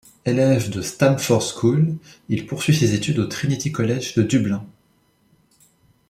Élève de Stamford School il poursuit ses études au Trinity College de Dublin.